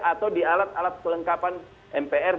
atau di alat alat kelengkapan mpr